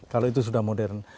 kalau itu sudah modern